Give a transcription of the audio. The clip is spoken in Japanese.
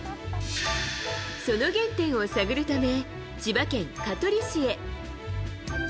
その原点を探るため千葉県香取市へ。